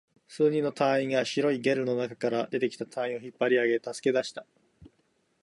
数人の隊員が白いゲルの中から出てきた隊員を引っ張り上げ、助け出した